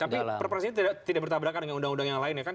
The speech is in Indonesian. tapi perpres ini tidak bertabrakan dengan undang undang yang lain ya kan